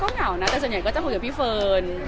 เหงานะแต่ส่วนใหญ่ก็จะคุยกับพี่เฟิร์น